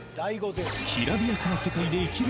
きらびやかな世界で生きる